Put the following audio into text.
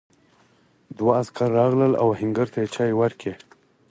دوه عسکر راغلل او آهنګر ته یې چای ورکړ.